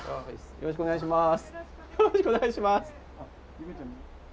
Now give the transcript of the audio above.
よろしくお願いします。